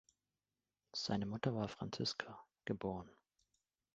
Seine Mutter war Franziska, geb.